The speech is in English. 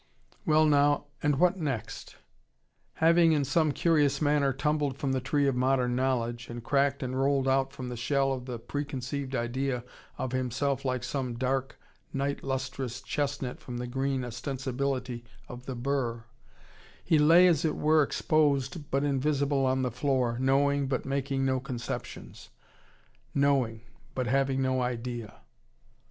Well now, and what next? Having in some curious manner tumbled from the tree of modern knowledge, and cracked and rolled out from the shell of the preconceived idea of himself like some dark, night lustrous chestnut from the green ostensibility of the burr, he lay as it were exposed but invisible on the floor, knowing, but making no conceptions: knowing, but having no idea.